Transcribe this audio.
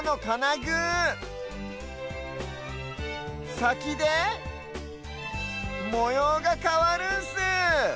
さきでもようがかわるんす。